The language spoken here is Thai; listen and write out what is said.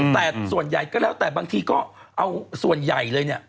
แต่ส่วนใหญ่ก็แล้วแต่บางทีก็เอาส่วนใหญ่เลยเนี่ย